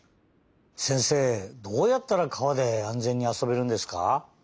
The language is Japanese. せんせいどうやったら川で安全にあそべるんですか？